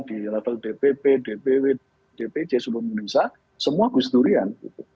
di level dpp dpw dpj semua menurut saya semua gus durian